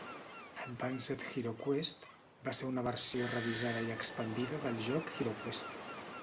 "Advanced HeroQuest" va ser una versió revisada i expandida del joc HeroQuest.